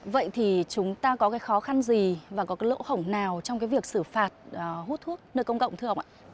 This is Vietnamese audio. vậy thì chúng ta có cái khó khăn gì và có cái lỗ hổng nào trong cái việc xử phạt hút thuốc nơi công cộng thưa ông ạ